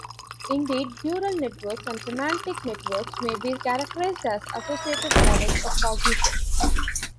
Indeed, neural networks and semantic networks may be characterized as associative models of cognition.